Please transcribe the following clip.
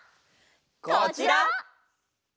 こちら！